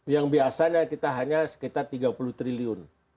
yang biasanya kita hanya sekitar tiga puluh triliun